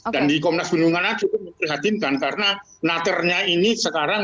dan di komnas perlindungan anak cukup memprihatinkan karena naternya ini sekarang